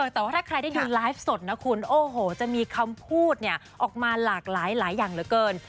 แต่ว่าถ้าใครได้ดูไลฟ์สดนะคุณโอ้โหจะมีคำพูดออกมาหลากหลายอย่างเหลือเกิน